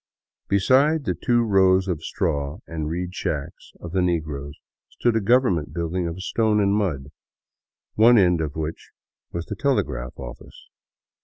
Beside the two rows of straw and reed shacks of the negroes stood a government building of stone and mud, one end of which was the telegraph office.